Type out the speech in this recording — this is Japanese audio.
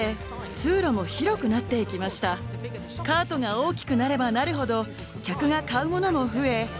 カートが大きくなればなるほど客が買うものも増えもうけが増えました。